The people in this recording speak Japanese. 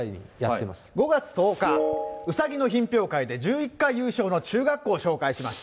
５月１０日、うさぎの品評会で１１回優勝の中学校を紹介しました。